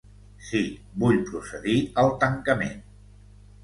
Sí, vull procedir al tancament!